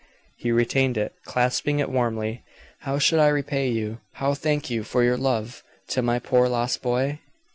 He retained it, clasping it warmly. "How should I repay you how thank you for your love to my poor, lost boy?"